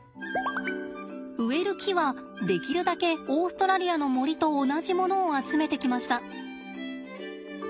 植える木はできるだけオーストラリアの森と同じものを集めてきました。